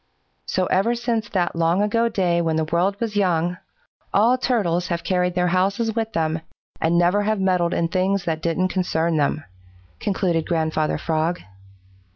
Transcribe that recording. "So ever since that long ago day when the world was young, all Turtles have carried their houses with them and never have meddled in things that don't concern them," concluded Grandfather Frog.